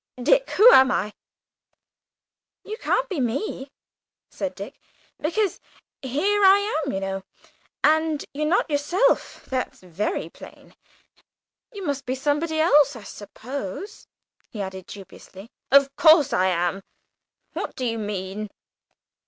Dick, who am I?" "You can't be me," said Dick, "because here I am, you know. And you're not yourself, that's very plain. You must be somebody, I suppose," he added dubiously. "Of course I am. What do you mean?"